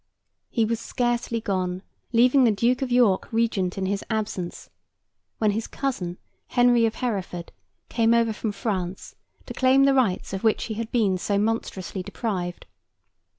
He was scarcely gone, leaving the Duke of York Regent in his absence, when his cousin, Henry of Hereford, came over from France to claim the rights of which he had been so monstrously deprived.